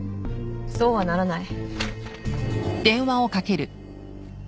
そうはならない。